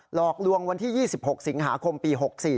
หลอกลวงวันที่๒๖สิงหาคมปี๖๔